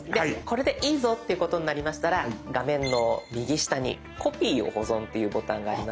これでいいぞってことになりましたら画面の右下に「コピーを保存」というボタンがありますので。